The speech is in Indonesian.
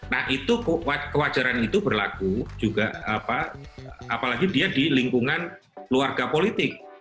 nah itu kewajaran itu berlaku juga apalagi dia di lingkungan keluarga politik